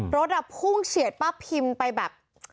รถพุ่งเฉียดป้าพิมไปแบบ